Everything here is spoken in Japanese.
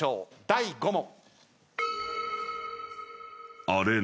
第５問。